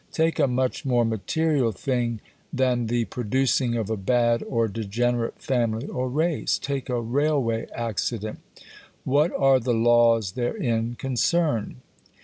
Take a much more material thing than the producing of a bad or degenerate family or race. Take a railway accident. What are the laws therein concerned?